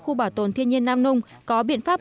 khu bảo tồn thiên nhiên nam nung có biện pháp